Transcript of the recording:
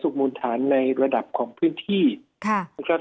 สองมูลฐานในระดับของที่ครับ